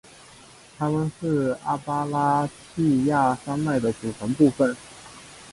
它们是阿巴拉契亚山脉的组成部分。